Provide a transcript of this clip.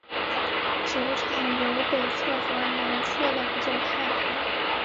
球场有北侧和南侧两座看台。